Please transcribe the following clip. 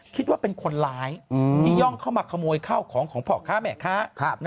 คิดว่าเป็นคนร้ายที่ย่องเข้ามาขโมยข้าวของของพ่อค้าแม่ค้า